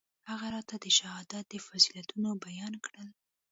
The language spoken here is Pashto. هغه راته د شهادت فضيلتونه بيان کړل.